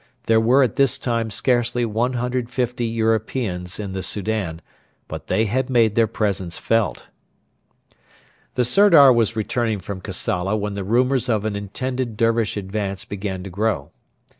There were at this time scarcely 150 Europeans in the Soudan; but they had made their presence felt. The Sirdar was returning from Kassala when the rumours of an intended Dervish advance began to grow.